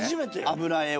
油絵を？